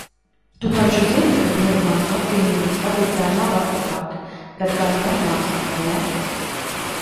Tu taču zini, ka medmāsu apvienības vadītāja nav advokāte, bet gan medmāsa, vai ne?